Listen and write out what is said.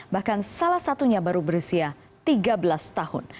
bahkan salah satunya baru berusia tiga belas tahun